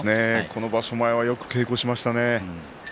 この場所前はよく稽古をしましたね。